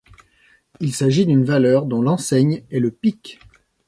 Il s'agit d'une valeur dont l'enseigne est le pique.